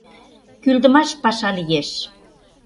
Кӱлдымаш паша лиеш...